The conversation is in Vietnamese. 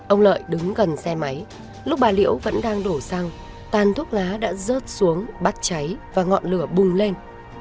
ông lợi đứng gần xe máy lúc bà liễu vẫn đang đổ xăng tàn thuốc lá đã rớt xuống bắt cháy và ngọn lửa bùng lên